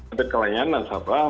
ada kelainan sahabat